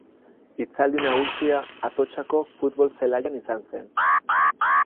Hitzaldi nagusia Atotxako futbol zelaian izan zen.